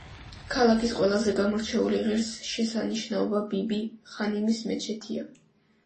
ქალაქის ყველაზე გამორჩეული ღირსშესანიშნაობა ბიბი-ხანიმის მეჩეთია.